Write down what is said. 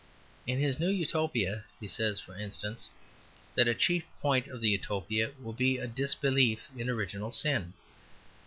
In his new Utopia he says, for instance, that a chief point of the Utopia will be a disbelief in original sin.